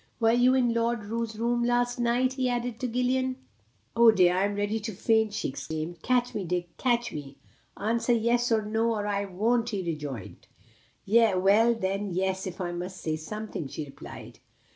"Were you in Lord Roos's room last night?" he added, to Gillian. "Oh, dear! I am ready to faint," she exclaimed. "Catch me, Dick catch me!" "Answer 'yes' or 'no,' or I won't," he rejoined. "Well, then, 'yes!' if I must say something," she replied.